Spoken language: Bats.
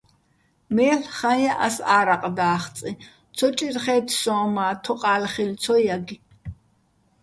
მელ' ხაჼ ჲა ას ა́რაყ და́ხწიჼ, ცო ჭირხე́თ სოჼ მა́ თოყა́ლ ხილ ცო ჲაგე̆.